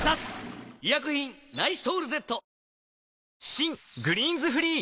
新「グリーンズフリー」